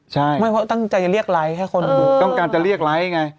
ใช่ไม่เพราะตั้งใจจะเรียกไลค์ให้คนต้องการจะเรียกไลค์ไง